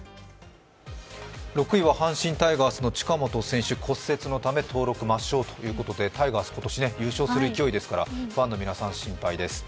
６位は阪神タイガースの近本選手、骨折のため登録抹消ということでタイガース、今年優勝する勢いですからファンの皆さん、心配です。